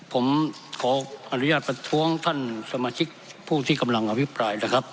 ผมขออนุญาตประท้วงท่านสมาชิกผู้ที่กำลังอภิปรายนะครับ